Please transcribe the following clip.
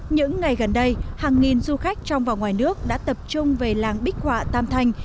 những ngày gần đây hàng nghìn du khách trong và ngoài nước đã tập trung về làng bích họa tam thanh